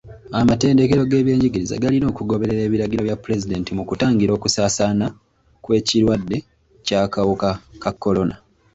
Amatendekero g'ebyenjigiriza galina okugoberera ebiragiro bya pulezidenti mu kutangira okusaasaana kw'ekirwadde ky'akawuka ka kolona.